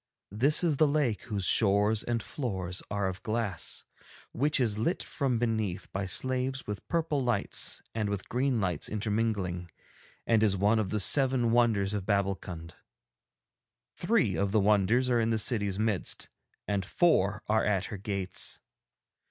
This is the lake whose shores and floors are of glass, which is lit from beneath by slaves with purple lights and with green lights intermingling, and is one of the seven wonders of Babbulkund. Three of the wonders are in the city's midst and four are at her gates.